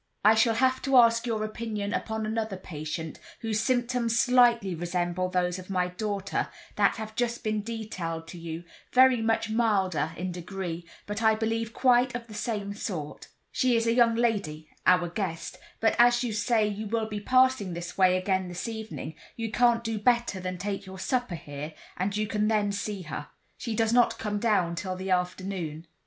"I shall have to ask your opinion upon another patient, whose symptoms slightly resemble those of my daughter, that have just been detailed to you—very much milder in degree, but I believe quite of the same sort. She is a young lady—our guest; but as you say you will be passing this way again this evening, you can't do better than take your supper here, and you can then see her. She does not come down till the afternoon."